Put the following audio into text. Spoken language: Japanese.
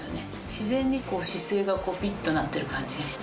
自然に姿勢がピッとなってる感じがして。